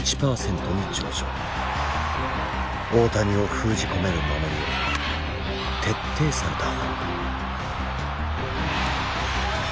大谷を封じ込める守りを徹底された。